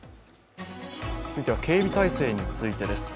続いて、警備体制についてです。